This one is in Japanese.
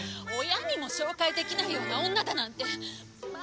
親にも紹介できないような女だなんてまあ嫌だ！